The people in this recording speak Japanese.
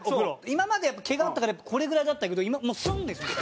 今まで毛があったからこれぐらいだったけど今もうスンッですよ。